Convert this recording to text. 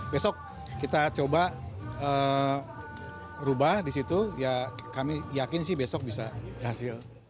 besok kita coba rubah di situ ya kami yakin sih besok bisa hasil